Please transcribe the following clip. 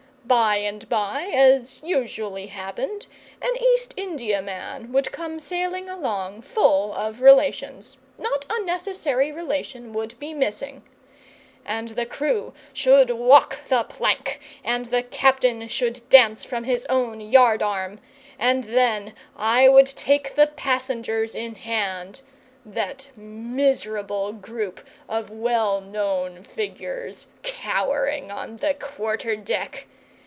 By and by, as usually happened, an East Indiaman would come sailing along full of relations not a necessary relation would be missing. And the crew should walk the plank, and the captain should dance from his own yardarm, and then I would take the passengers in hand that miserable group of well known figures cowering on the quarter deck!